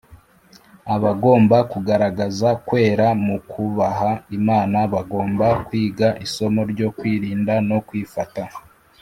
. Abagomba kugaragaza kwera mu kubaha Imana bagomba kwiga isomo ryo kwirinda no kwifata.